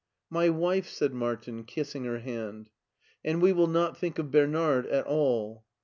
" My wife," said Martin, kissing her hand. '* And we will not think of Bernard at all."